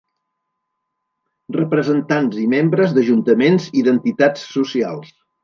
Representants i membres d'Ajuntaments i d'entitats socials.